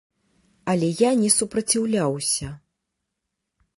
Але я не супраціўляўся.